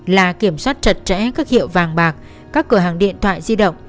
là kiểm soát trật trẽ các hiệu vàng bạc các cửa hàng điện thoại di động